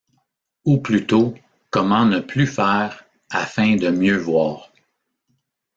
Ou plutôt, comment ne plus faire, afin de mieux voir.